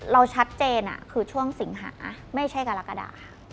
เราชัดเจนคือช่วงสิงหาไม่ใช่กรกฎาค่ะ